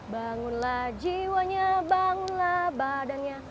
bangunlah jiwanya bangunlah badannya